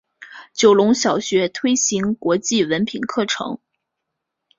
九龙小学推行国际文凭课程。